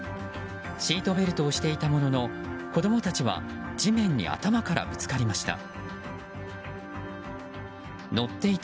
シートベルトをしていたものの子供たちは地面に頭からぶつかりました。